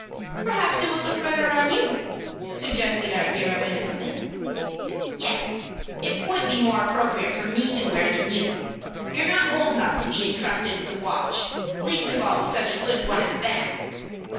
"Perhaps it would look better on you," suggested our hero, innocently. "Yes, it would be more appropriate for me to wear than you. You're not old enough to be trusted with a watch; least of all with such a good one as that."